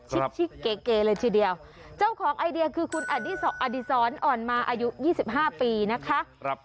ชิกเกเลยทีเดียวเจ้าของไอเดียคือคุณอดีศรอ่อนมาอายุ๒๕ปีนะคะ